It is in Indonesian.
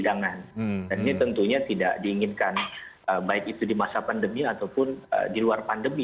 dan ini tentunya tidak diinginkan baik itu di masa pandemi ataupun di luar pandemi